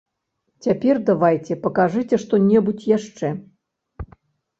Цяпер давайце, пакажыце што-небудзь яшчэ.